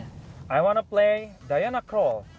saya ingin memainkan diana kroll